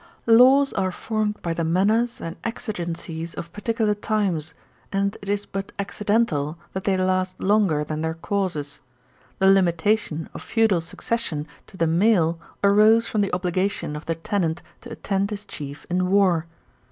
'Laws are formed by the manners and exigencies of particular times, and it is but accidental that they last longer than their causes: the limitation of feudal succession to the male arose from the obligation of the tenant to attend his chief in war.